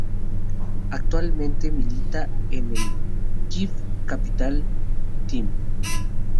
Actualmente milita en el Kyiv Capital Team.